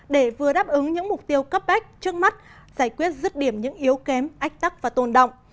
để vừa đáp ứng những mục tiêu cấp bách trước mắt giải quyết rứt điểm những yếu kém ách tắc và tôn động